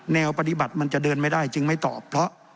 แนวปฏิบัติมันจะเดินไม่ได้จึงไม่ตอบเพราะ